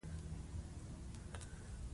نن سبا له سیاسي اسلام صاحب نظر څخه پوښتنه وشي.